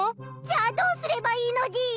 じゃあどうすればいいのでぃす！